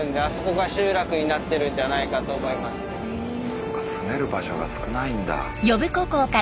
そうか住める場所が少ないんだ。